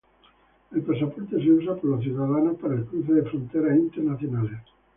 El pasaporte se usa por los ciudadanos para el cruce de fronteras internacionales.